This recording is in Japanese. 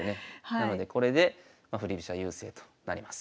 なのでこれで振り飛車優勢となります。